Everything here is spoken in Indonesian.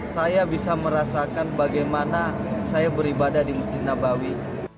saya bisa merasakan bagaimana saya beribadah di masjid nabawi